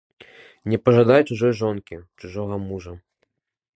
Не пажадай чужой жонкі, чужога мужа.